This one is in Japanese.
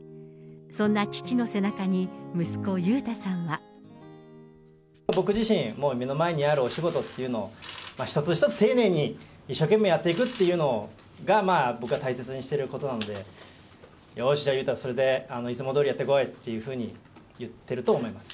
そんな父の背中に息子、僕自身、もう目の前にあるお仕事っていうのを一つ一つ丁寧に、一生懸命やっていくっていうのが、僕が大切にしていることなので、よーし、じゃあ裕太、それでいつもどおりやってこいっていうふうに言ってると思います。